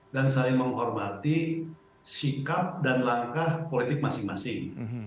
dan saling menghormati sikap dan langkah politik masing masing